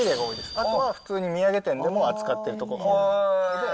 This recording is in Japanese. あとは普通に土産店でも扱っている所が。